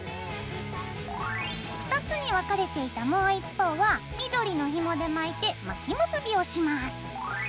２つに分かれていたもう一方は緑のひもで巻いて巻き結びをします。